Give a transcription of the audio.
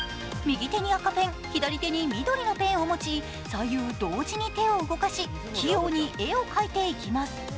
右手に赤ペン、左手に緑のペンを持ち、左右同時に手を動かし、器用に絵を描いていきます。